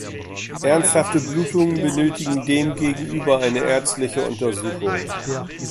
Ernsthafte Blutungen benötigen demgegenüber eine ärztliche Untersuchung.